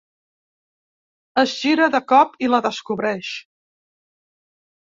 Es gira de cop i la descobreix.